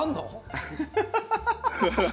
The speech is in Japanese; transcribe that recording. ハハハハ！